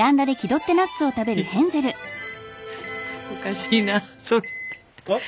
おかしいなそれ。